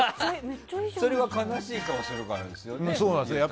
それは悲しい顔するからですよね。